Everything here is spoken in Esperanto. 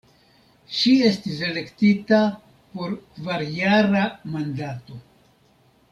Ŝi estis elektita por kvarjara mandato.